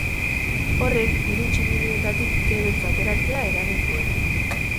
Horrek, hiru tximinietatik ke beltza ateratzea eragin zuen.